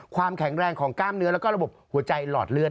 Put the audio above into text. ความแข็งแรงของกล้ามเนื้อแล้วก็ระบบหัวใจหลอดเลือด